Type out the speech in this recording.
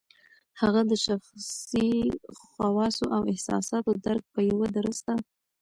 د هغه د شخصي خواصو او احساساتو درک په یوه درسته